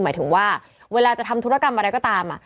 หมายถึงว่าเวลาจะทำธุรกรรมอะไรก็ตาม